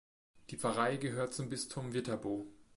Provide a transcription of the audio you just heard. Die Pfarrei gehört zum Bistum Viterbo.